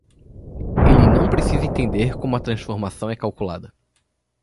Ele não precisa entender como a transformação é calculada.